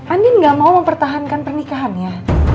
andin gak mau mempertahankan pernikahannya